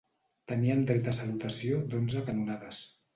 Tenien dret a salutació d'onze canonades.